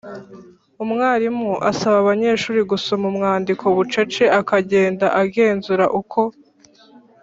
Umwarimu asaba abanyeshuri gusoma umwandiko bucece akagenda agenzura uko